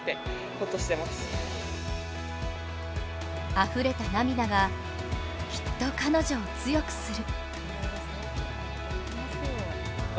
あふれた涙がきっと彼女を強くする。